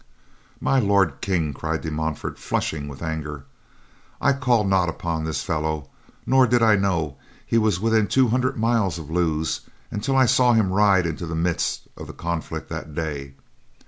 "My Lord King," cried De Montfort, flushing with anger, "I called not upon this fellow, nor did I know he was within two hundred miles of Lewes until I saw him ride into the midst of the conflict that day.